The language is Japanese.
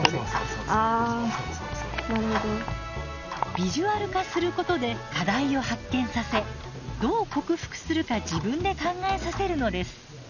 ビジュアル化することで課題を発見させどう克服するか自分で考えさせるのです。